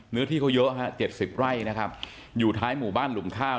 เนื้อที่เขาเยอะฮะ๗๐ไร่นะครับอยู่ท้ายหมู่บ้านหลุมข้าว